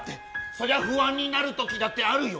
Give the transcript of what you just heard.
そりゃ不安になることもあるよ。